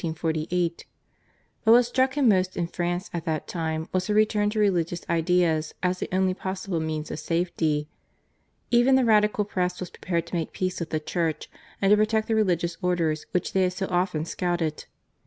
But what struck him most in France at that time was her return to religious ideas as the only possible means of safety. Even the Radical Press was prepared to make peace with the Church and to protect the religious orders which they had so often scouted.